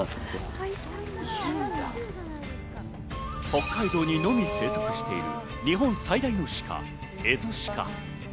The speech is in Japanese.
北海道にのみ生息している日本最大のシカ、エゾシカ。